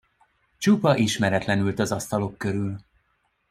Csupa ismeretlen ült az asztalok körül.